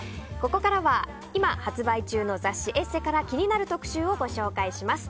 ここからは今発売中の雑誌「ＥＳＳＥ」から気になる特集をご紹介します。